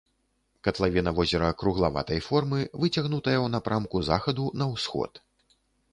Катлавіна возера круглаватай формы, выцягнутая ў напрамку захаду на ўсход.